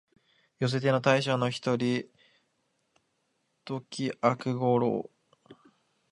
寄せ手の大将の一人、土岐悪五郎